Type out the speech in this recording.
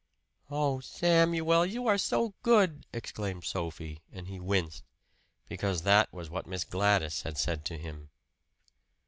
"Oh, Samuel, you are so good!" exclaimed Sophie; and he winced because that was what Miss Gladys had said to him.